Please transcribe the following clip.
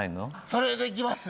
それでいきます。